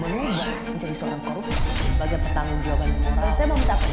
menunggu menjadi seorang korupsi bagian bertanggung jawabannya saya mau minta